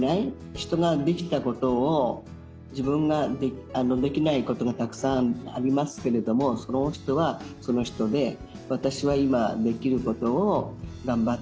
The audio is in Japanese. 人ができたことを自分ができないことがたくさんありますけれどもその人はその人で私は今できることを頑張って楽しんでやろうっていう気持ち。